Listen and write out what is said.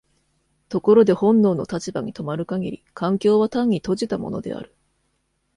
ところで本能の立場に止まる限り環境は単に閉じたものである。